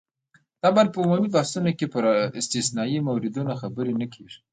طبعاً په عمومي بحثونو کې پر استثنايي موردونو خبرې نه کېږي.